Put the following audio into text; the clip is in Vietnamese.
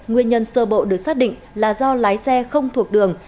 nguyên nhân sơ bộ được xác định là do lái xe không thuộc đường